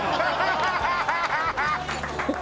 ハハハハ！